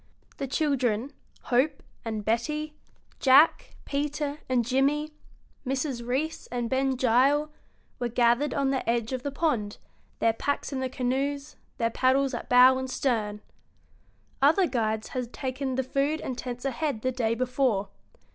The children, Hope and Betty, Jack, Peter, and Jimmy, Mrs. Reece and Ben Gile, were gathered on the edge of the pond, their packs in the canoes, their paddles at bow and stern. Other guides had taken the food and tents ahead the day before.